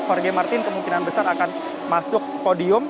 jorge martin kemungkinan besar akan masuk podium